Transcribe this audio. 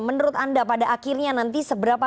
menurut anda pada akhirnya nanti seberapa